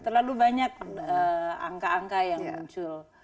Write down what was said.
terlalu banyak angka angka yang muncul